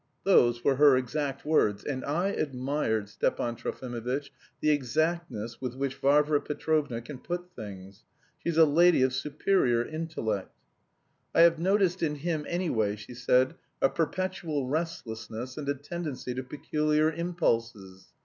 (Those were her exact words, and I admired, Stepan Trofimovitch, the exactness with which Varvara Petrovna can put things. She's a lady of superior intellect!) 'I have noticed in him, anyway,' she said, 'a perpetual restlessness and a tendency to peculiar impulses.